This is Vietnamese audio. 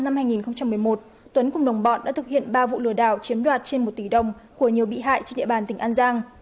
tuấn cùng đồng bọn đã thực hiện ba vụ lừa đảo chiếm đoạt trên một tỷ đồng của nhiều bị hại trên địa bàn tỉnh an giang